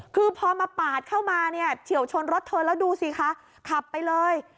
คือพอมาปาดเข้ามาเนี่ยเฉียวชนรถเธอแล้วดูสิคะขับไปเลย